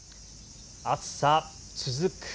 暑さ続く。